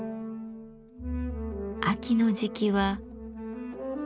秋の時期は。